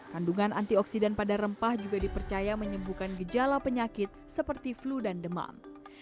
kandungan antioksidan pada rempah juga dipercaya menyembuhkan gejala penyakit seperti flu dan demam